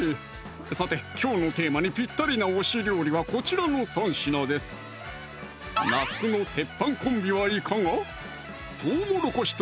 さてきょうのテーマにぴったりな推し料理はこちらの３品です夏の鉄板コンビはいかが？